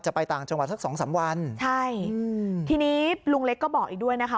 ไปต่างจังหวัดสักสองสามวันใช่อืมทีนี้ลุงเล็กก็บอกอีกด้วยนะคะ